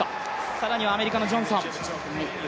更にはアメリカのジョンソン。